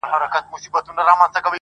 • ونه یم د پاڼ پر سر کږه یمه نړېږمه -